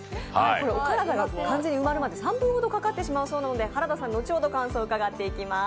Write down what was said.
お体が完全に埋まるまで３分ほどかかってしまうそうなので原田さん、後ほど感想を伺っていきます。